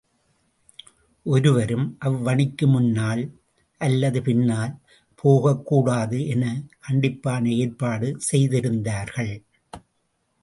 ஒருவரும் அவ்வணிக்கு முன்னால் அல்லது பின்னால் போகக்கூடாது என கண்டிப்பான ஏற்பாடு செய்திருந்தார்கள்.